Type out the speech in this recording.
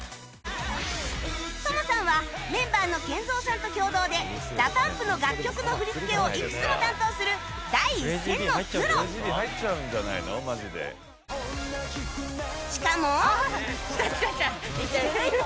ＴＯＭＯ さんはメンバーの ＫＥＮＺＯ さんと共同で ＤＡＰＵＭＰ の楽曲の振り付けをいくつも担当する第一線のプロしかもきたきたきた！